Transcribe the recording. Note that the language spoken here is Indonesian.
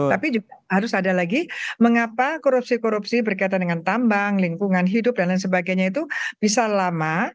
tapi juga harus ada lagi mengapa korupsi korupsi berkaitan dengan tambang lingkungan hidup dan lain sebagainya itu bisa lama